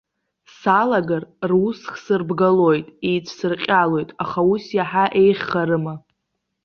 Салагар, рус хсырбгалоит, еицәсырҟьалоит, аха ус иаҳа еиӷьхарыма?